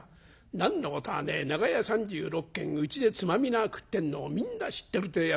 何のことはねえ長屋３６軒うちでつまみ菜食ってんのをみんな知ってるってえやつですよ。